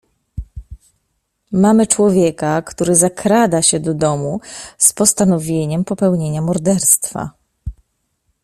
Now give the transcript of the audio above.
"Mamy człowieka, który zakrada się do domu z postanowieniem popełnienia morderstwa."